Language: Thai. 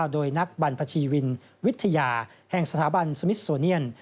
โดยนักบรรพชีวินวิทยาแห่งสถาบันสมิทโซเนียน